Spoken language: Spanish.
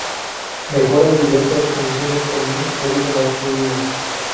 Mejoras diversas funciones con un código más fluido.